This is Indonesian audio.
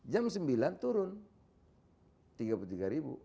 jam sembilan turun tiga puluh tiga ribu